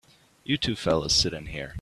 You two fellas sit in here.